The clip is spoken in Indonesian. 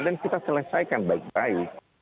kita selesaikan baik baik